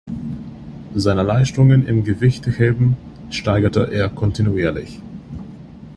Seine Leistungen im Gewichtheben steigerte er kontinuierlich.